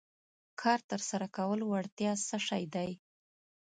کار تر سره کولو وړتیا څه شی دی.